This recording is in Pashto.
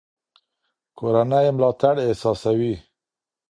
کورنۍ ملاتړ احساسوي.